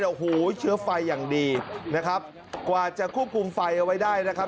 โอ้โหเชื้อไฟอย่างดีนะครับกว่าจะควบคุมไฟเอาไว้ได้นะครับ